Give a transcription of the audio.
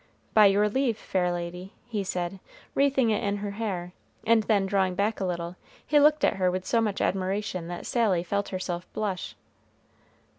"By your leave, fair lady," he said, wreathing it in her hair, and then drawing back a little, he looked at her with so much admiration that Sally felt herself blush.